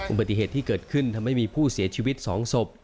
อุบัติเหตุที่เกิดขึ้นทำให้มีผู้เสียชีวิต๒ศพ